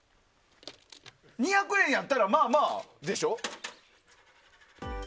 ２００円やったらまあまあでしょ。